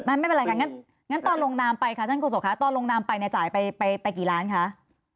แล้วไม่เป็นไรงั้นตอนลงนามไปตอนลงนามไปจ่ายไปกี่ล้านครับ